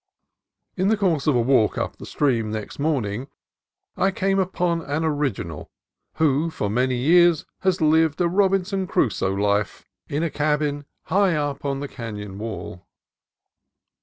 In the course of a walk up the stream next morn ing, I came upon an original who for many years has lived a Robinson Crusoe life in a coign high up on the canon wall.